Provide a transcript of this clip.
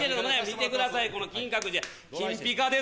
見てくださいこの金閣寺金ピカですわ。